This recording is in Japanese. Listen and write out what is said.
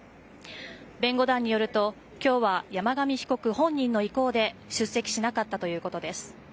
弁護団によると今日は山上被告本人の意向で出席しなかったということです。